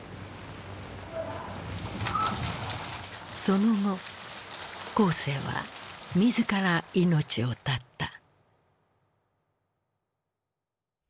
その後江青は自ら命を絶った。